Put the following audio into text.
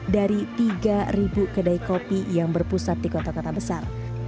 dari tiga kedai kopi yang berpusat di kota kota besar